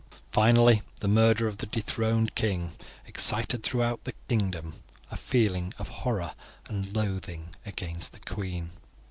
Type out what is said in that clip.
Finally, the murder of the dethroned king excited throughout the kingdom a feeling of horror and loathing against the queen.